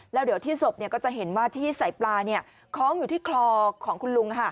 แล้วเดี๋ยวที่ศพก็จะเห็นว่าที่ใส่ปลาคล้องอยู่ที่คลอของคุณลุง